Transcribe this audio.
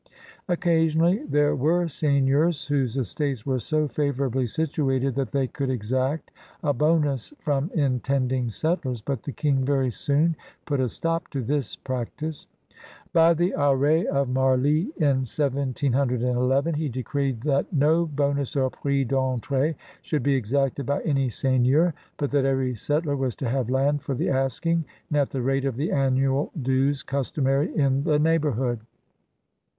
Occasionally there were seigneurs whose estates were so favorably situated that they could exact a bonus from intending settlers, but the King very soon put a stop to this practice. By the Arrets of Marly in 1711 he decreed that no bonus or prix d^etUrSe should be exacted by any seigneur, but that every settler was to have land for the asking and at the rate of the annual dues customary in the neighborhood.